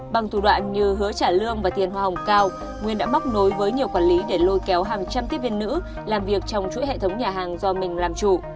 bằng thủ đoạn như hứa trả lương và tiền hoa hồng cao nguyên đã móc nối với nhiều quản lý để lôi kéo hàng trăm tiếp viên nữ làm việc trong chuỗi hệ thống nhà hàng do mình làm chủ